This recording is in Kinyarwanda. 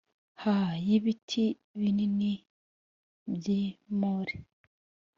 Ha y ibiti binini by i more